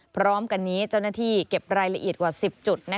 พร้อมกันนี้เจ้าหน้าที่เก็บรายละเอียดกว่า๑๐จุด